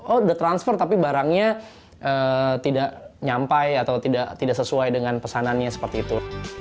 oh udah transfer tapi barangnya tidak nyampe atau tidak sesuai dengan pesanannya seperti itu